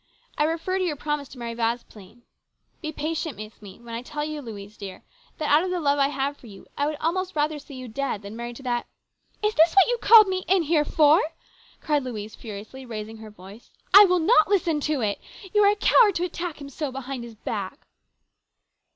I refer to your promise to marry Vasplaine. Be patient with me when I tell you, Louise dear, that, out of the love I have for you, I would almost rather see you dead than married to that "" Is this what you called me in here for ?" cried Louise furiously, raising her voice. " I will not listen to it. You are a coward to attack him so, behind his back."